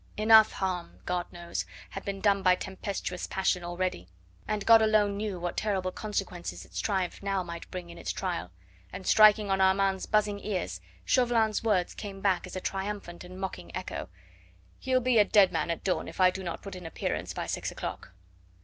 Enough harm, God knows, had been done by tempestuous passion already. And God alone knew what terrible consequences its triumph now might bring in its trial, and striking on Armand's buzzing ears Chauvelin's words came back as a triumphant and mocking echo: "He'll be a dead man at dawn if I do not put in an appearance by six o'clock."